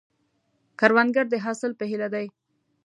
کروندګر د حاصل په هیله دی